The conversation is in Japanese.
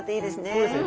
そうですね。